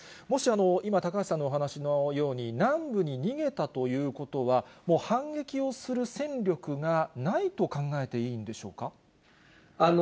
もし、今、高橋さんのお話のように、南部に逃げたということは、もう反撃をする戦力がないと考えていいんでしょうか。